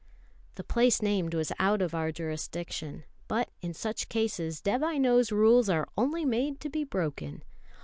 The place named was out of our jurisdiction; but in such cases Dévai knows rules are only made to be broken.